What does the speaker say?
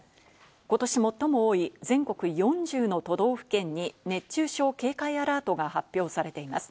ことし最も多い全国４０の都道府県に熱中症警戒アラートが発表されています。